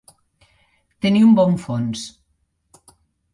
Tenir un bon fons.